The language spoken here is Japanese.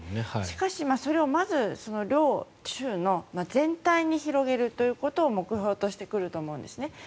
しかし、それをまず全体に広げるということを目標としてくると思うんですね。